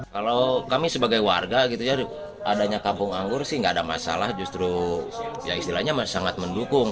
kalau kami sebagai warga adanya kampung anggur sih gak ada masalah justru istilahnya masih sangat mendukung